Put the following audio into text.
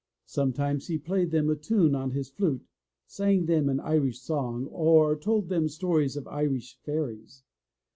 Sometimes he played them a tune on his flute, sang them an Irish song, or told them stories of Irish fairies.